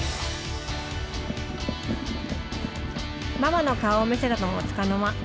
ママの顔を見せたのもつかの間。